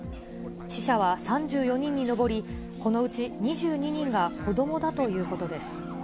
死者は３４人に上り、このうち２２人が子どもだということです。